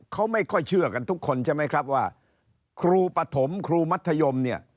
เขาไม่ค่อยเชื่อกันทุกคนใช่ไหมครับว่าครูปฐมครูมัธยมเนี่ย